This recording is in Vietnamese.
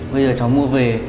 bây giờ cháu mua về